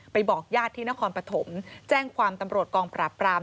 บอกญาติที่นครปฐมแจ้งความตำรวจกองปราบปราม